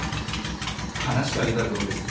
話してあげたらどうです？